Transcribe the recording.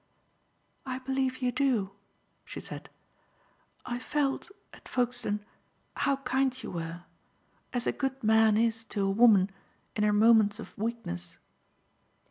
"I believe you do," she said. "I felt, at Folkestone, how kind you were as a good man is to a woman in her moments of weakness.